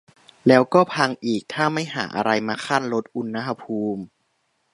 แล้วก็พังอีก ถ้าไม่หาอะไรมาคั่นลดอุณหภูมิ